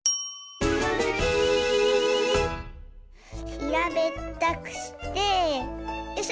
ひらべったくしてよいしょ！